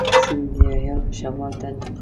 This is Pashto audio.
سیندهیا شمال ته انتقال شي.